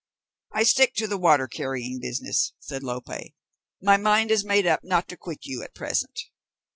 "I stick to the water carrying business," said Lope. "My mind is made up not to quit you at present."